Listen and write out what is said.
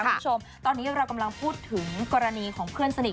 คุณผู้ชมตอนนี้เรากำลังพูดถึงกรณีของเพื่อนสนิท